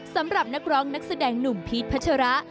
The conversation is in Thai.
สำหรับนักร้องนักแสดงหนุ่มพีชพัชระ